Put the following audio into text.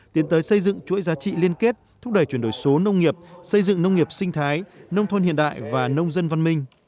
tiến tới xây dựng chuỗi giá trị liên kết thúc đẩy chuyển đổi số nông nghiệp xây dựng nông nghiệp sinh thái nông thôn hiện đại và nông dân văn minh